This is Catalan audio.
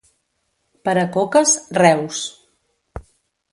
Per a coques, Reus.